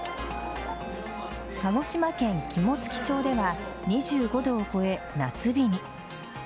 鹿児島県肝付町では２５度を超え夏日に。